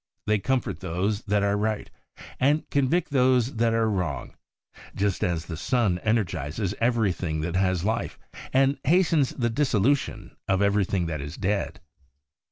They comfort those that are right, and convict those that are wrong, just as the sun energizes every thing that has life, and hastens the dissolu tion of everything that is dead.